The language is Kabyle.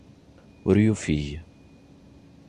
Ur yufig.